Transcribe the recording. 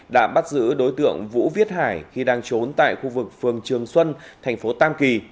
đã bắt giữ đối tượng vũ viết hải khi đang trốn tại khu vực phường trường xuân thành phố tam kỳ